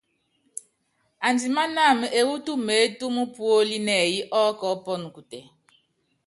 Andimánáma ewú tumeétúmu póli nɛyɛ ɔ́kɔɔ́pɔnɔ kutɛ.